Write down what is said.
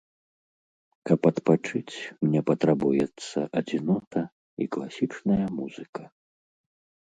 Каб адпачыць, мне патрабуецца адзінота і класічная музыка.